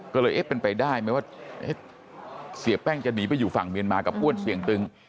ก็เลยเอ๊ะเป็นไปได้ไหมว่าเสียแป้งจะหนีไปอยู่ฝั่งเมียนมากับอ้วนเสี่ยงตึง